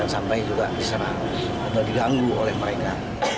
sampai juga diserang atau diganggu oleh mereka